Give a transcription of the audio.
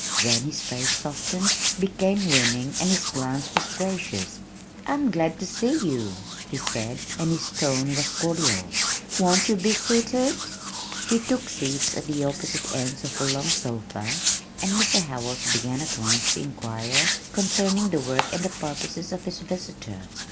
Then his face softened, became winning and his glance was gracious. "I'm glad to see you," he said, and his tone was cordial. "Won't you be seated?" We took seats at the opposite ends of a long sofa, and Mr. Howells began at once to inquire concerning the work and the purposes of his visitor.